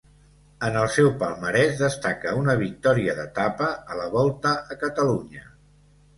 En el seu palmarès destaca una victòria d'etapa a la Volta a Catalunya.